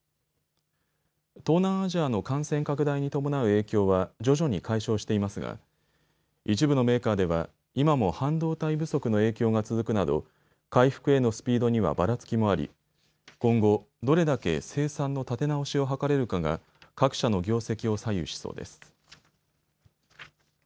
東南アジアの感染拡大に伴う影響は徐々に解消していますが一部のメーカーでは今も半導体不足の影響が続くなど回復へのスピードにはばらつきもあり今後、どれだけ生産の立て直しを図れるかが各社の業績を左右しそうです。